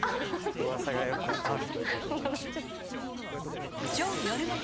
うわさがよくあら。